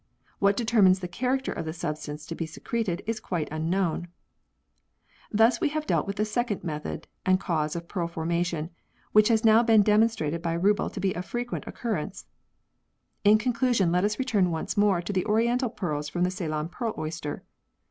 What determines the character of the sub stance to be secreted is quite unknown. Thus we have dealt with a second method and cause of pearl formation, which has now been demon strated by Rubbel to be of frequent occurrence. In conclusion let us return once more to the oriental pearls from the Ceylon pearl oyster.